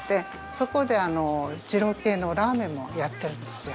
そこで二郎系のラーメンもやってるんですよ。